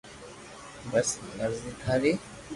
بس مر زي ٿاري